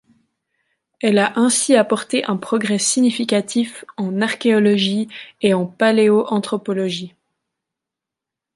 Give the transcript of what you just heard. Elle a ainsi apporté un progrès significatif en archéologie et en paléoanthropologie.